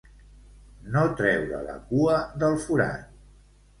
No treure la cua del forat.